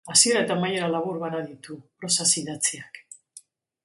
Hasiera eta amaiera labur bana ditu, prosaz idatziak.